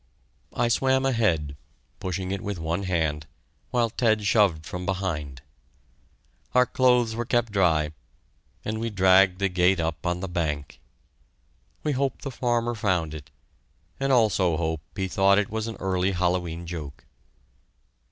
I swam ahead, pushing it with one hand, while Ted shoved from behind. Our clothes were kept dry, and we dragged the gate up on the bank. We hope the farmer found it, and also hope he thought it was an early Hallowe'en joke!